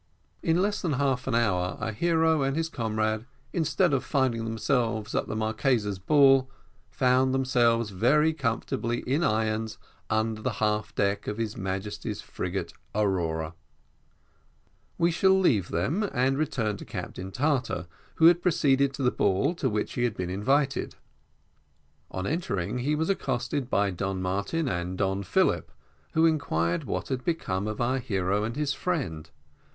In less than half an hour, our hero and his comrade, instead of finding themselves at the Marquesa's ball, found themselves very comfortably in irons under the half deck of H.M. frigate Aurora. We shall leave them, and return to Captain Tartar, who had proceeded to the ball, to which he had been invited. On his entering he was accosted by Don Martin and Don Philip, who inquired what had become of our hero and his friend.